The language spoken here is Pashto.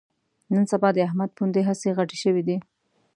نن سبا د احمد پوندې هسې غټې شوې دي